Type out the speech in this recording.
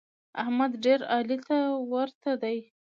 احمد ډېر علي ته ورته دی.